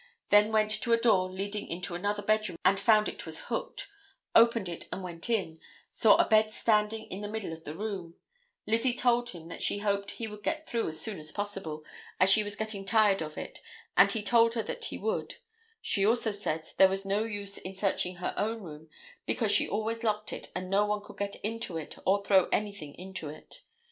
Then went to a door leading into another bedroom and found it was hooked; opened it and went in; saw a bed standing in the middle of the room; Lizzie told him that she hoped he would get through as soon as possible, as she was getting tired of it and he told her that he would; she also said there was no use in searching her own room, because she always locked it and no one could get into it or throw anything into it.